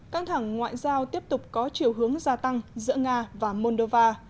căng thẳng ngoại giao tiếp tục có chiều hướng gia tăng giữa nga và moldova